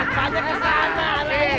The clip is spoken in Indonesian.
ke sana ke sana ame